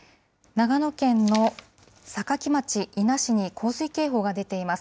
長野県の坂城町、伊那市に洪水警報が出ています。